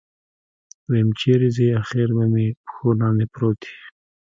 ويم چېرې ځې اخېر به مې پښو لاندې پروت يې.